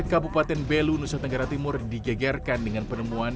kabupaten belu nusa tenggara timur digegerkan dengan penemuan